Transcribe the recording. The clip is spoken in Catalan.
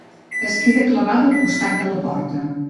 Es queda clavada al costat de la porta.